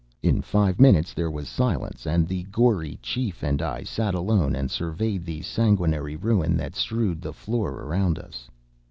In five minutes there was silence, and the gory chief and I sat alone and surveyed the sanguinary ruin that strewed the floor around us.